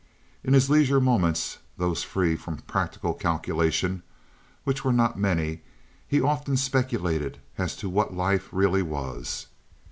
In his leisure moments—those free from practical calculation, which were not many—he often speculated as to what life really was.